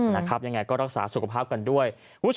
ยังไงก็รักษาสุขภาพกันด้วย